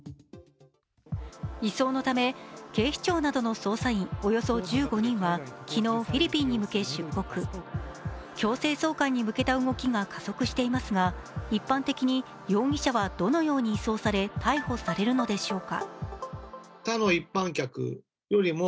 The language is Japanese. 移送のため、警視庁などの捜査員およそ１５人が昨日、フィリピンに向け出国強制送還に向けた動きが加速されていますが一般的に容疑者はどのように移送され、逮捕されるのでしょうか。